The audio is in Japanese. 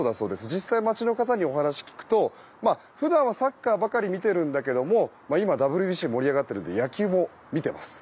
実際街の方にお話を聞くと普段はサッカーばかり見ているけども今、ＷＢＣ盛り上がっているので野球も見ています。